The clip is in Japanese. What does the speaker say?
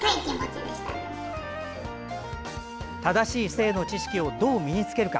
正しい性の知識をどう身に着けるか。